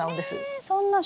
えそんな！